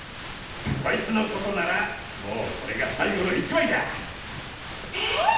コイツの事ならもうこれが最後の１枚だ。えっ？